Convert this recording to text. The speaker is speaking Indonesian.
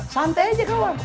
santai aja kawan